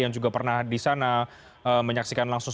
yang juga pernah di sana menyaksikan langsung